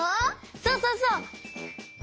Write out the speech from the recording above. そうそうそう！